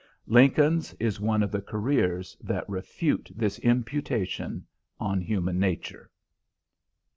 Lincoln's is one of the careers that refute this imputation on human nature.